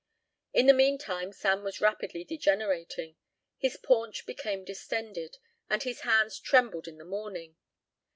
In the meantime Sam was rapidly degenerating. His paunch became distended, and his hands trembled in the morning.